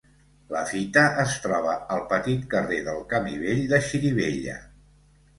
La fita es troba al petit carrer del camí vell de Xirivella.